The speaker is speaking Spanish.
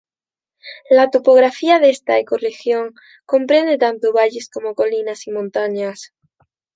La topografía de esta ecorregión comprende tanto valles como colinas y montañas.